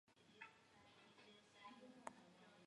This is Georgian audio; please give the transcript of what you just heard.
წარმოადგენს „ქუსლის წვერს“ ჩექმის ფორმის იტალიის კონტურში.